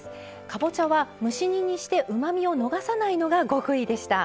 かぼちゃは蒸し煮にしてうまみを逃さないのが極意でした。